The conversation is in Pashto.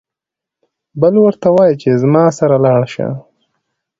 بل ورته وايي چې زما سره لاړ شه.